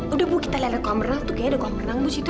udah bu kita lihat kamar itu kayaknya ada kamar nangbus itu